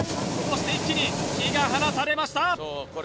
そして一気に火が放たれました